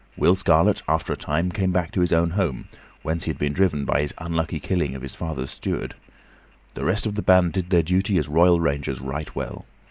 Will Scarlet after a time came back to his own home, whence he had been driven by his unlucky killing of his father's steward. The rest of the band did their duty as royal rangers right well.